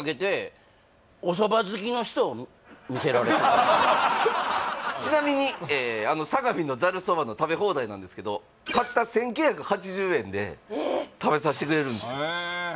要するにちなみにあのサガミのざるそばの食べ放題なんですけどたった１９８０円でえっ食べさせてくれるんですよへえ